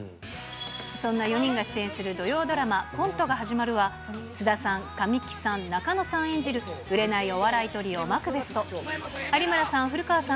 そんな４人が出演する土曜ドラマ、コントが始まるは、菅田さん、神木さん、仲野さん演じる、売れないお笑いトリオ、マクベスと、有村さん、古川さん